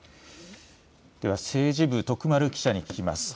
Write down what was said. では政治部徳丸記者に聞きます。